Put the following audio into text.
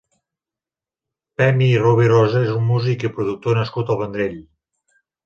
Pemi Rovirosa és un músic i productor nascut al Vendrell.